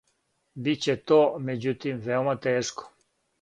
Биће то, међутим, веома тешко.